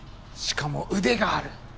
しかも腕がある！